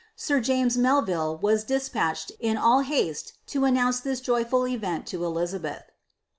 Sir Jamn Melville was despatched in all haeie to announce ihis jovful event la Eliiaheih.